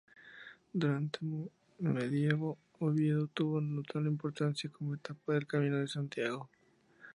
Durante el Medievo, Oviedo tuvo notable importancia como etapa del Camino de Santiago.